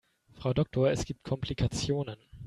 Frau Doktor, es gibt Komplikationen.